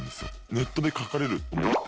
ネットで書かれると思って。